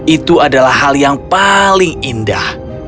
itu adalah hal yang paling indah